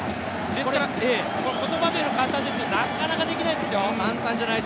ですから、言葉で言うのは簡単ですけど、なかなかできないですよ。